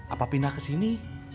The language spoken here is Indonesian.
apa pindah ke sini